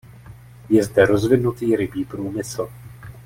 Je zde rozvinutý rybí průmysl.